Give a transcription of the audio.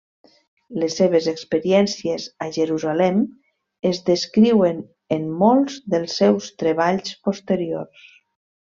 Les seves experiències a Jerusalem es descriuen en molts dels seus treballs posteriors.